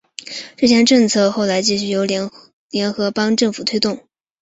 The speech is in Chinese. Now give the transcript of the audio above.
这项政策后来继续由联合邦政府推动。